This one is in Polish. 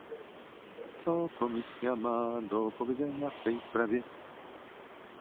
Co Komisja ma do powiedzenia w tej sprawie?